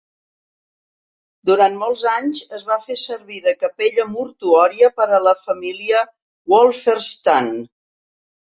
Durant molts anys, es va fer servir de capella mortuòria per a la família Wolferstan.